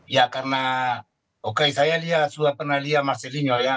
ya karena oke saya lihat sudah pernah lihat marcelino ya